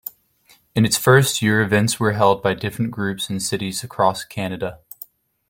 In its first year events were held by different groups in cities across Canada.